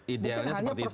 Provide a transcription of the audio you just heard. idealnya seperti itu